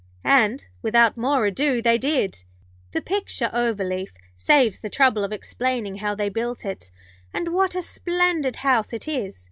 And, without more ado, they did. The picture overleaf saves the trouble of explaining how they built it, and what a splendid house it is.